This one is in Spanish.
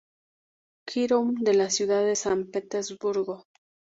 Kirov de la ciudad de San Petersburgo.